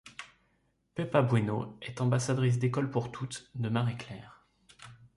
Pepa Bueno est ambassadrice d'école pour toutes de Marie Claire.